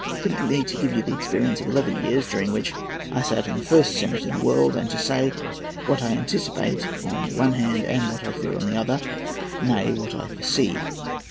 Permit me to give you the experience of eleven years, during which I sat in the first senate in the world, and to say what I anticipate on the one hand, and what I fear on the other—nay, what I foresee.